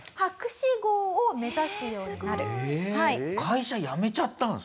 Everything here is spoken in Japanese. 会社辞めちゃったんですか？